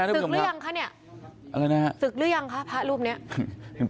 สึกหรือยังคะเนี่ยสึกหรือยังคะพระรูปเนี่ย